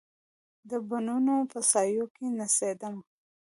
د بڼوڼو په سایو کې نڅېدمه